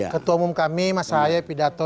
ketua umum kami mas ahaye pidato